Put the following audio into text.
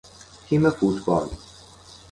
تیم فوتبال